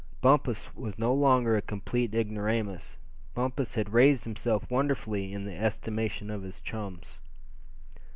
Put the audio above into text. Bumpus was no longer a complete ignoramus; Bumpus had raised himself wonderfully in the estimation of his chums.